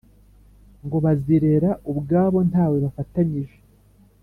Ngo bazirera ubwabo ntawe bafatanyije